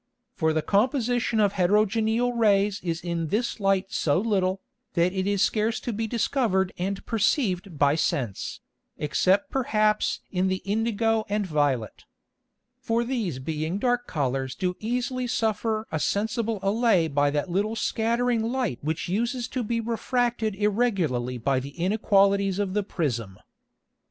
For the Composition of heterogeneal Rays is in this Light so little, that it is scarce to be discovered and perceiv'd by Sense, except perhaps in the indigo and violet. For these being dark Colours do easily suffer a sensible Allay by that little scattering Light which uses to be refracted irregularly by the Inequalities of the Prism.